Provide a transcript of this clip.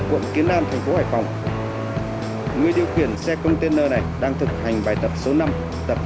quận kiến an thành phố hải phòng người điều khiển xe container này đang thực hành bài tập số năm tập